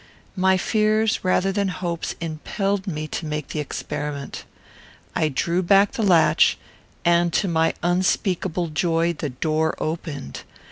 My fears, rather than my hopes, impelled me to make the experiment. I drew back the latch, and, to my unspeakable joy, the door opened.